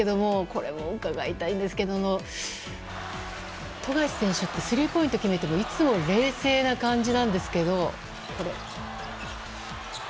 これも伺いたいんですけれども富樫選手ってスリーポイントを決めてもいつも冷静な感じなんですけど。